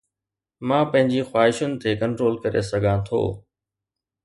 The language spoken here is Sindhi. مان پنهنجي خواهشن تي ڪنٽرول ڪري سگهان ٿو